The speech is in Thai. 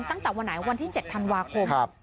ตั้งแต่วันไหนวันที่๗ธันวาคม